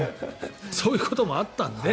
そういうこともあったので。